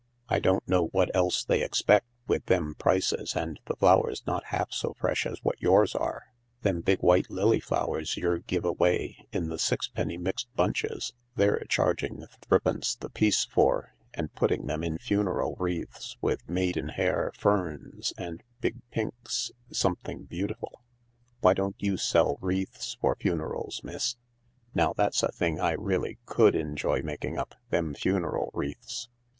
I don't know what else they expect, with them prices and the flowers not half so fresh as what yours are. m THE LARK 185 Them big white lily flowers yer give away in the sixpenny mixed bunches, they're charging threepence the piece for, and putting them in funeral wreaths with made in hair ferns and big pinks something beautiful. Why don't you sell wreaths for funerals, miss ? Now that's a thing I really could enjoy making up, them funeral wreaths.